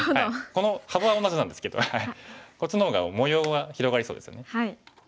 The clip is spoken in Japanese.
この幅は同じなんですけどこっちの方が模様は広がりそうですよね。